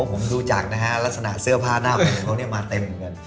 ผมดูจากนะฮะลักษณะเสื้อผ้าหน้ากล่องมาเต็มกัน